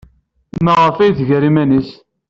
Maɣef ay d-tger iman-nnes?